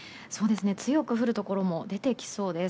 強く降るところも出てきそうです。